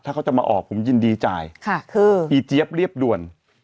ถ้าเขาจะมาออกผมยินดีจ่ายค่ะคืออีเจี๊ยบเรียบด่วน